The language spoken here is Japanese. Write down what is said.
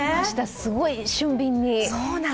すごい、俊敏に。